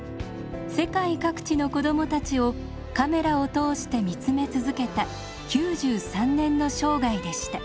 世界各地の子どもたちをカメラを通して見つめ続けた９３年の生涯でした。